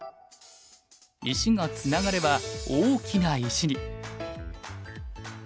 石がつながれば大きな石に。